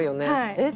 「えっ？」